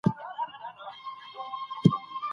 ازادي راډیو د کلتور په اړه د اقتصادي اغېزو ارزونه کړې.